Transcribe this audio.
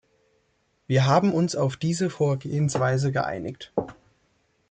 Wir haben uns auf diese Vorgehensweise geeinigt.